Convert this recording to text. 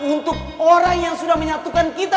untuk orang yang sudah menyatukan kita